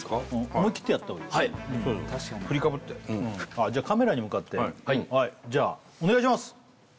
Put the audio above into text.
思い切ってやったほうがいいよはい振りかぶってじゃあカメラに向かってはいじゃあお願いします